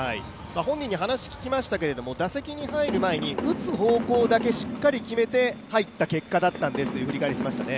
本人に話を聞きましたけれども、打席に入る前に打つ方向だけしっかり決めて入った結果だったんですと振り返っていましたね。